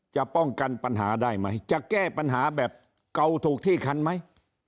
จะป้องกันปัญหาได้ไหมจะแก้ปัญหาแบบเก่าถูกที่คันไหม